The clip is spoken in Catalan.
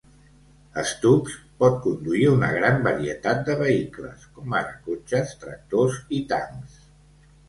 Stubbs pot conduir una gran varietat de vehicles, com ara cotxes, tractors i tancs.